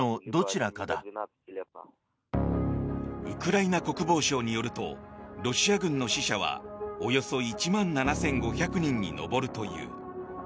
ウクライナ国防省によるとロシア軍の死者はおよそ１万７５００人に上るという。